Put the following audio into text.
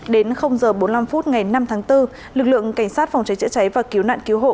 đến h bốn mươi năm phút ngày năm tháng bốn lực lượng cảnh sát phòng cháy chữa cháy và cứu nạn cứu hộ